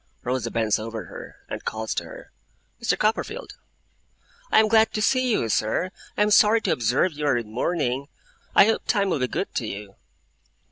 Rosa bends over her, and calls to her, 'Mr. Copperfield.' 'I am glad to see you, sir. I am sorry to observe you are in mourning. I hope Time will be good to you.